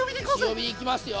強火で行きますよ！